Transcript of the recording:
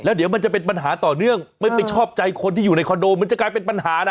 เดี๋ยวมันจะเป็นปัญหาต่อเนื่องไม่ไปชอบใจคนที่อยู่ในคอนโดมันจะกลายเป็นปัญหานะ